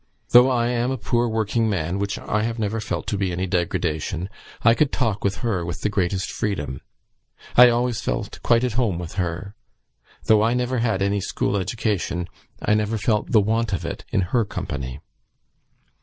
... Though I am a poor working man (which I have never felt to be any degradation), I could talk with her with the greatest freedom. I always felt quite at home with her. Though I never had any school education, I never felt the want of it in her company."